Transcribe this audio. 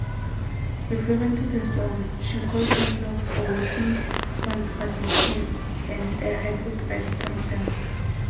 Referring to the song, she called herself "a walking contradiction" and "a hypocrite sometimes.